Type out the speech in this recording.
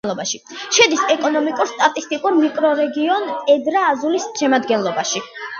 შედის ეკონომიკურ-სტატისტიკურ მიკრორეგიონ პედრა-აზულის შემადგენლობაში.